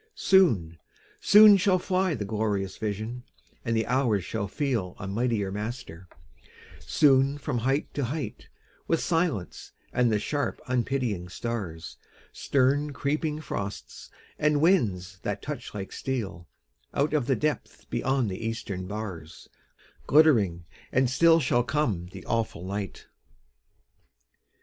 Soon, soon shall fly The glorious vision, and the hours shall feel A mightier master; soon from height to height, With silence and the sharp unpitying stars, Stern creeping frosts, and winds that touch like steel, Out of the depth beyond the eastern bars, Glittering and still shall come the awful night.